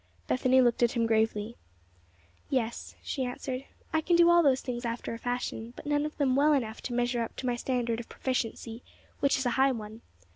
Bethany looked at him gravely. "Yes," she answered, "I can do all those things after a fashion, but none of them well enough to measure up to my standard of proficiency, which is a high one.